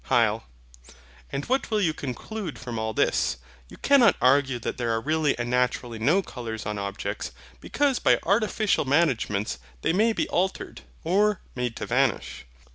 HYL. And what will you conclude from all this? You cannot argue that there are really and naturally no colours on objects: because by artificial managements they may be altered, or made to vanish.